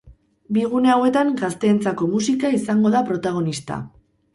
Bi gune hauetan gazteentzako musika izango da protagonista.